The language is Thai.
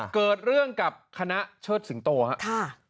เกิดเรื่องกับคณะเชิดสิงโตครับ